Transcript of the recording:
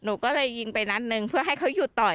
หนูก็เลยยิงไปนัดหนึ่งเพื่อให้เขาหยุดต่อย